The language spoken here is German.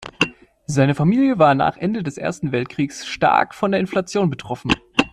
Seine Familie war nach Ende des Ersten Weltkriegs stark von der Inflation betroffen.